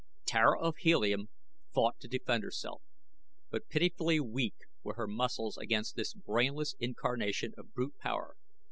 Tara of Helium fought to defend herself, but pitifully weak were her muscles against this brainless incarnation of brute power.